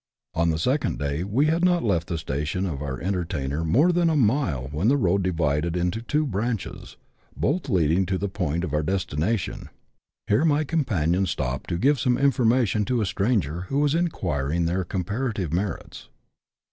On the second day we had not left the station of our enter tainer more than a mile when the road divided into two branches, both leading to the point of our destination. Here my com panion stopped to give some information to a stranger who was inquiring their comparative merits.